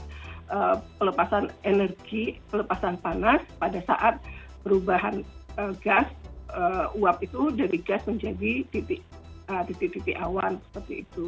jadi itu adalah pelepasan energi pelepasan panas pada saat perubahan gas uap itu dari gas menjadi titik titik awan seperti itu